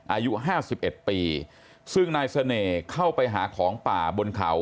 อายุห้าสิบเอ็ดปีซึ่งนายเสน่ห์เข้าไปหาของป่าบนเขา